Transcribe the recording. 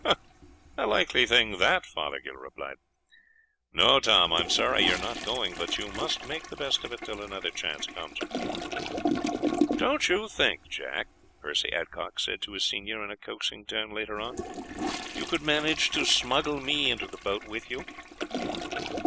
"A likely thing that!" Fothergill laughed. "No, Tom, I am sorry you are not going, but you must make the best of it till another chance comes." "Don't you think, Jack," Percy Adcock said to his senior in a coaxing tone later on, "you could manage to smuggle me into the boat with you?"